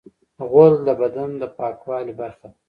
غول د بدن د پاکوالي برخه ده.